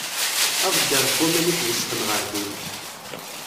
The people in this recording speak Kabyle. Aḍegger n waman i iwesxen ɣer din.